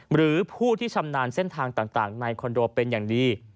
หรือผู้ที่ชำนาญเส้นทางต่างในคอนโดเป็นอย่างดี